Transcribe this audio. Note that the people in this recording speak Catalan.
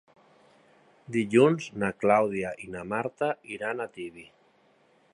Dilluns na Clàudia i na Marta iran a Tibi.